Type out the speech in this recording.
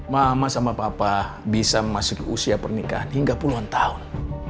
mama sama papa bisa memasuki usia pernikahan hingga puluhan tahun